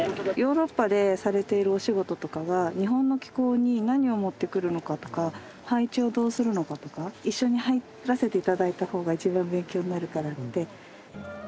ヨーロッパでされているお仕事とかが日本の気候に何を持ってくるのかとか配置をどうするのかとか一緒に入らせて頂いた方が一番勉強になるからって。